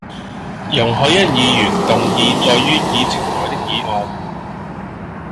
容海恩議員動議載於議程內的議案